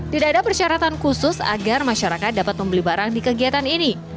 tidak ada persyaratan khusus agar masyarakat dapat membeli barang di kegiatan ini